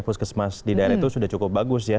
puskesmas di daerah itu sudah cukup bagus ya